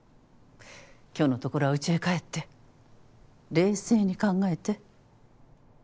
今日のところはうちへ帰って冷静に考えて。